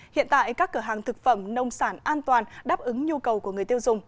hiện tại các cửa hàng thực phẩm nông sản an toàn đáp ứng nhu cầu của người tiêu dùng